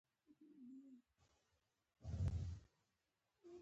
د ډیجیټل نړۍ لپاره د محتوا جوړول یو پرمختللی هنر دی